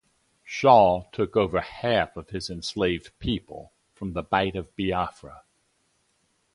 Shaw took over half of his enslaved people from the Bight of Biafra.